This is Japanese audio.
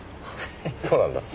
そうなんだ。